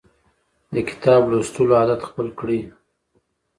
د کتاب لوستلو عادت خپل کړئ.